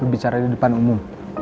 bicara di depan umum